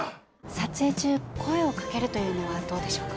撮影中声をかけるというのはどうでしょうか？